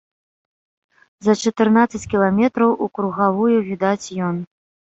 За чатырнаццаць кіламетраў укругавую відаць ён.